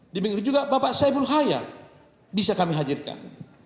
demikian juga bapak saiful hayat bisa kami hadirkan